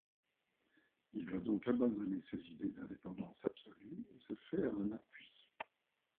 Il doit donc abandonner ses idées d'indépendance absolue et se faire un appui.